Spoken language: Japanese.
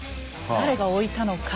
誰が置いたのか。